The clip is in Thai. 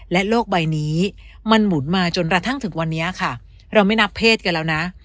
และโลกใบนี้มันหมุนมาจนกระทั่งถึงวันนี้ค่ะเราไม่นับเพศกันแล้วนะ